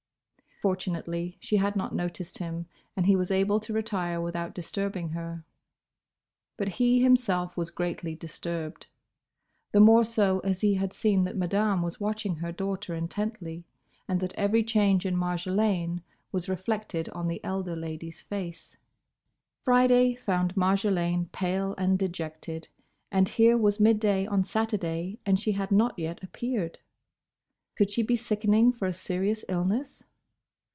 Fortunately she had not noticed him, and he was able to retire without disturbing her. But he himself was greatly disturbed. The more so as he had seen that Madame was watching her daughter intently, and that every change in Marjolaine was reflected on the elder lady's face. Friday found Marjolaine pale and dejected; and here was midday on Saturday, and she had not yet appeared! Could she be sickening for a serious illness?